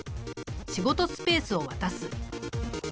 仕事スペースを渡す。